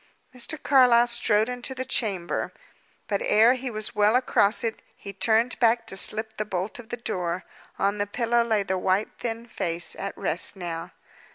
Mr. Carlyle strode into the chamber. But ere he was well across it, he turned back to slip the bolt of the door. On the pillow lay the white, thin face, at rest now.